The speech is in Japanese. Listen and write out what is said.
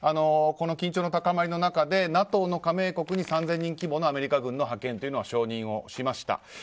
この緊張の高まりの中でＮＡＴＯの加盟国に３０００人規模のアメリカ軍の派遣というのを承認しました。